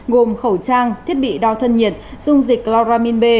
gồm khẩu trang thiết bị đo thân nhiệt dung dịch chloramin b